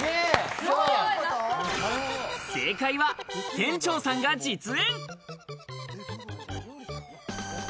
正解は店長さんが実演。